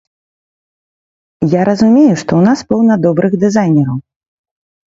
Я разумею, што ў нас поўна добрых дызайнераў.